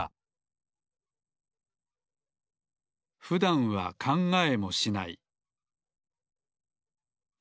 ふだんは考えもしない。